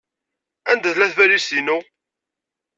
Anda tella tbalizt-inu?